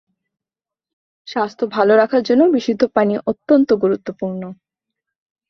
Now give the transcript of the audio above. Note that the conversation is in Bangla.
স্বাস্থ্য ভাল রাখার জন্য বিশুদ্ধ পানি অত্যন্ত গুরুত্ব পূর্ণ।